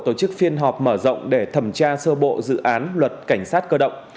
tổ chức phiên họp mở rộng để thẩm tra sơ bộ dự án luật cảnh sát cơ động